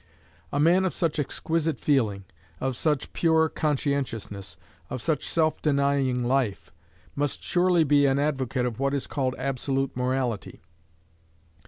A man of such exquisite feeling, of such pure conscientiousness, of such self denying life, must surely be an advocate of what is called absolute morality.